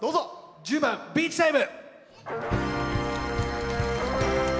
１０番「ビーチタイム」。